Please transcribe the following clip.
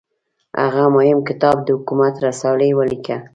هغه مهم کتاب د حکومت رسالې ولیکه.